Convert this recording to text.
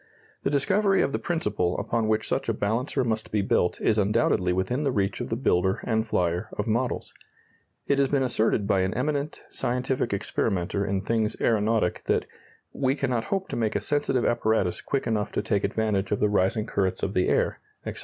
The discovery of the principle upon which such a balancer must be built is undoubtedly within the reach of the builder and flyer of models. It has been asserted by an eminent scientific experimenter in things aeronautic that "we cannot hope to make a sensitive apparatus quick enough to take advantage of the rising currents of the air," etc.